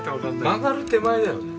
曲がる手前だよね。